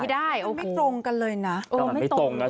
ไม่ตรงกันเลยนะ